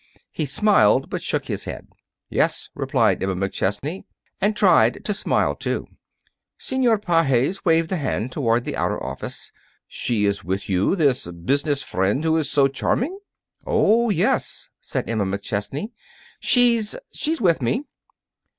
He smiled, but shook his head. "Yes," replied Emma McChesney. And tried to smile, too. Senor Pages waved a hand toward the outer office. "She is with you, this business friend who is also so charming?" "Oh, yes," said Emma McChesney, "she's she's with me."